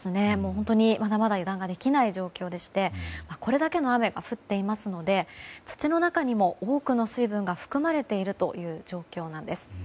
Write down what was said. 本当にまだまだ油断ができない状況でしてこれだけの雨が降っていますので土の中にも多くの水分が含まれているという状況なんです。